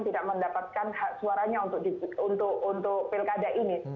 tidak mendapatkan hak suaranya untuk pilkada ini